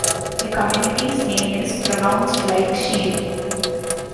The community's name is pronounced like sheer.